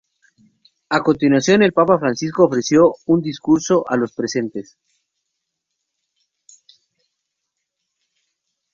A continuación, el papa Francisco ofreció un discurso a los presentes.